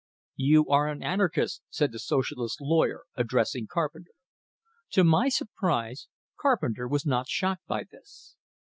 "You are an anarchist!" said the Socialist lawyer, addressing Carpenter. To my surprise Carpenter was not shocked by this.